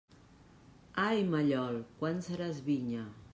Ai, mallol, quan seràs vinya!